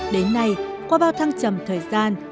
đến nay qua bao thăng trầm thời gian